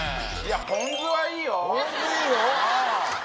ポン酢はいいね。